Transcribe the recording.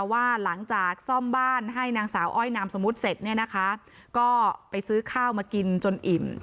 ว่าหลังจากซ่อมบ้านให้นางสาวอ้อยนามสมมุติเสร็จเนี่ยนะคะก็ไปซื้อข้าวมากินจนอิ่ม